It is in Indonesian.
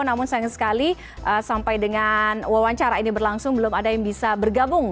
namun sayang sekali sampai dengan wawancara ini berlangsung belum ada yang bisa bergabung